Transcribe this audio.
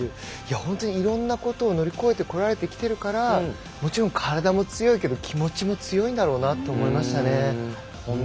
本当にいろんなことを乗り越えてこられているからもちろん体も強いけれど気持ちも強いと思いましたね。